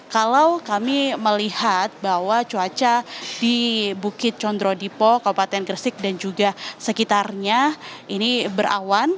kalau kami melihat bahwa cuaca di bukit condro dipo kabupaten gresik dan juga sekitarnya ini berawan